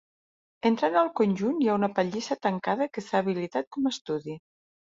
Entrant al conjunt hi ha una pallissa tancada que s'ha habilitat com a estudi.